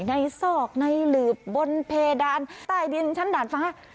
ในศอกในลืบบนเพดานใต้ดินชั้นด่านฝัง